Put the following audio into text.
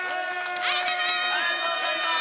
ありがとうございます。